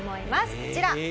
こちら。